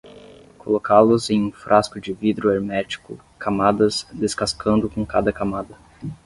Colocá-los em um frasco de vidro hermético, camadas, descascando com cada camada.